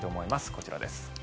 こちらです。